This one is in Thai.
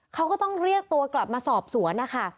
เขาก็ต้องเรียกตัวกลับมาสอบสวนนะคะ